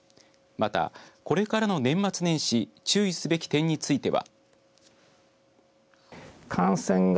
また、これからの年末年始注意すべき点については。